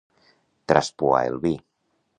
Traspuar el vi.